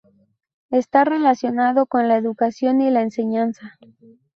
Está relacionado con la educación y la enseñanza.